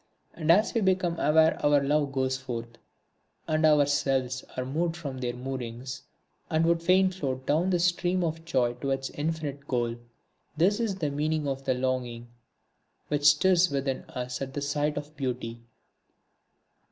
And as we become aware our love goes forth; and our selves are moved from their moorings and would fain float down the stream of joy to its infinite goal. This is the meaning of the longing which stirs within us at the sight of Beauty.